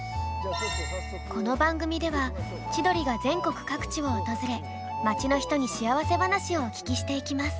この番組では千鳥が全国各地を訪れ町の人に幸せ話をお聞きしていきます。